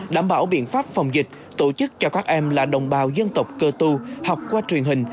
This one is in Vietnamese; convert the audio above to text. đảm bảo biện pháp phòng dịch tổ chức cho các em là đồng bào dân tộc cơ tu học qua truyền hình